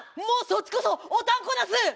もうそっちこそおたんこなす！